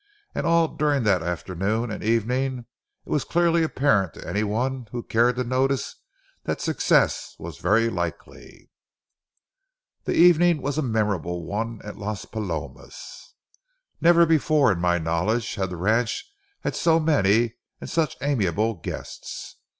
And all during the afternoon and evening, it was clearly apparent to any one who cared to notice that success was very likely. The evening was a memorable one at Las Palomas. Never before in my knowledge had the ranch had so many and such amiable guests.